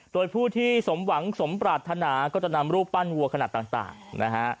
โดยผู้ที่สมหวังสมปรารถนาก็จะนำรูปปั้นวัวขนาดต่างนะฮะ